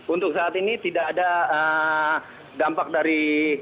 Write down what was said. untuk saat ini tidak ada dampak dari